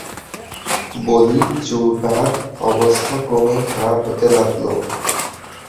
বলি-জুডার অবস্থা ক্রমেই খারাপ হতে লাগল।